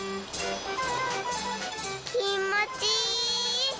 きもちいい！